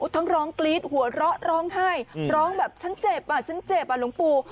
ร้องกรี๊ดหัวเราะร้องไห้ร้องแบบฉันเจ็บอ่ะฉันเจ็บอ่ะหลวงปู่